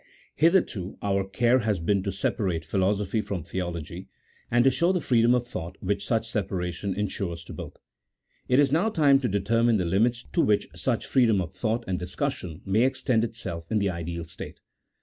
HITHEETO our care lias been to separate philosophy from theology, and to show the freedom of thought which such separation insures to both. It is now time to determine the limits to which such freedom of thought and discussion may extend itself in the ideal state.